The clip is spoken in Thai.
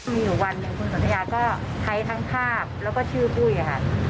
มีความรู้สึกเหมือนกับความรู้สึก